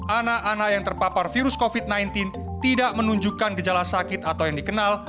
anak anak yang terpapar virus covid sembilan belas tidak menunjukkan gejala sakit atau yang dikenal